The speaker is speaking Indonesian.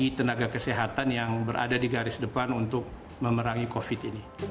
dan juga tenaga kesehatan yang berada di garis depan untuk memerangi covid sembilan belas ini